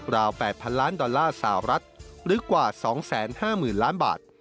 ราว๘๐๐ล้านดอลลาร์สาวรัฐหรือกว่า๒๕๐๐๐ล้านบาท